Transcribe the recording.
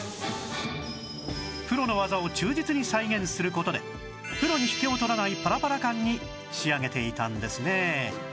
プロの技を忠実に再現する事でプロに引けを取らないパラパラ感に仕上げていたんですね